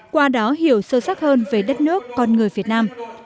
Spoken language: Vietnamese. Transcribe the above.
qua đó hiểu sâu sắc hơn về đất nước con người việt nam